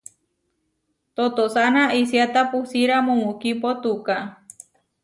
Totosána isiáta pusíra mumukipo tuká.